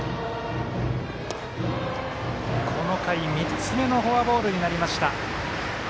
この回３つ目のフォアボールになりました。